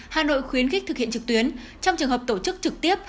hà nội khuyến khích thực hiện trực tuyến trong trường hợp tổ chức trực tiếp